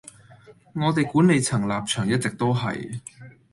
我哋管理層立場一直都係